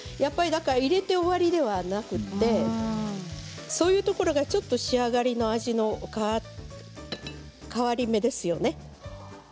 入れて終わりではなくてそういうところが仕上がりの味の変わり目ですよね。